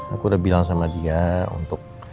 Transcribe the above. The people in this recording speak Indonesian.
aku udah bilang sama dia untuk